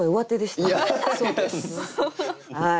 はい。